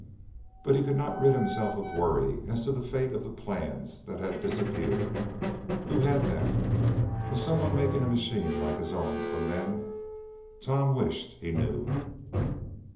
But he could not rid himself of worry as to the fate of the plans that had disappeared. Who had them? Was some one making a machine like his own from them? Tom wished he knew.